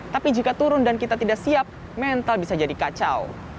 tapi jika turun dan kita tidak siap mental bisa jadi kacau